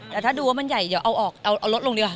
แต่ถ้าดูว่ามันใหญ่เดี๋ยวเอาออกเอารถลงดีกว่า